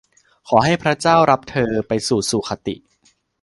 ขอให้พระเจ้ารับเธอไปสู่สุขคติ